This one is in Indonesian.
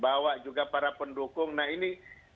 bawa keluarga bawa juga para pemerintah dan juga para pemerintah